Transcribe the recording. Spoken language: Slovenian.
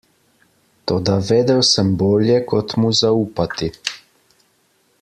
Toda vedel sem bolje, kot mu zaupati.